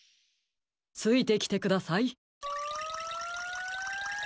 ついてきてください。